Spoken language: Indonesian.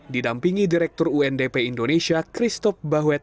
didampingi direktur undp indonesia christoph bahuet